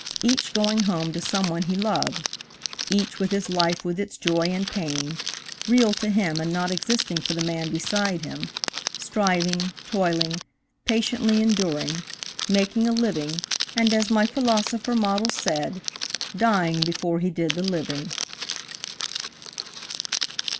Each going home to some one he loved–each with his life with its joy and pain–real to him and not existing for the man beside him; striving, toiling, patiently enduring, making a living, and as my philosopher model said: "Dying before he did the living."